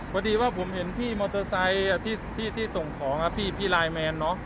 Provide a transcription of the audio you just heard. พอดีว่าผมเห็นพี่มอเตอร์ไซค์ที่ส่งของพี่ไลน์แมนเนอะ